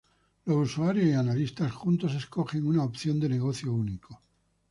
Los usuarios y analista juntos escogen una opción de negocio único.